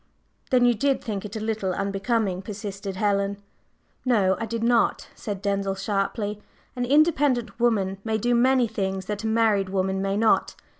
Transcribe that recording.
"Then you did think it a little unbecoming?" persisted Helen. "No, I did not!" said Denzil sharply. "An independent woman may do many things that a married woman may not.